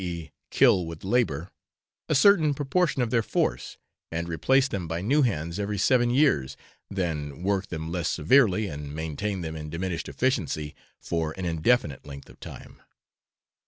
e. kill with labour) a certain proportion, of their force, and replace them by new hands every seven years, than work them less severely and maintain them in diminished efficiency for an indefinite length of time.